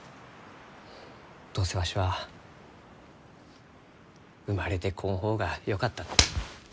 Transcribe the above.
どうせわしは生まれてこん方がよかった。